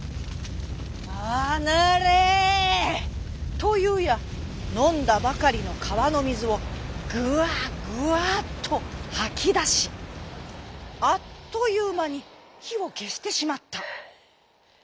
というやのんだばかりのかわのみずをグワグワっとはきだしあっというまにひをけしてしまった。